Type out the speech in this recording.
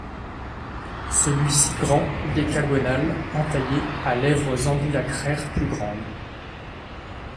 Celui-ci grand, décagonal, entaillé, à lèvres ambulacraires plus grandes.